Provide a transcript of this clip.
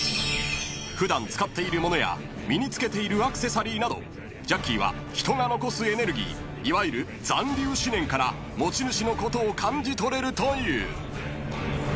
［普段使っている物や身に着けているアクセサリーなどジャッキーは人が残すエネルギーいわゆる残留思念から持ち主のことを感じ取れるという］